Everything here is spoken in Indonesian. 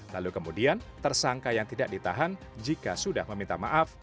lalu kemudian tersangka yang tidak ditahan jika sudah meminta maaf